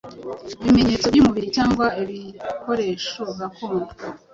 ibimenyetso by’umubiri cyangwa ibikoresho gakondo.